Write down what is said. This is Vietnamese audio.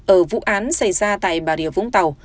ở vụ án xảy ra tại bà rịa vũng tàu